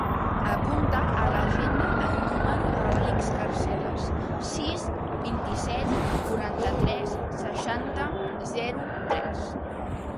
Apunta a l'agenda el número de l'Àlex Carceles: sis, vint-i-set, quaranta-tres, seixanta, zero, tres.